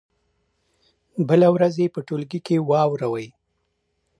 بله ورځ یې په ټولګي کې واوروئ.